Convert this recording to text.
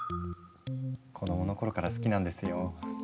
子供の頃から好きなんですよ。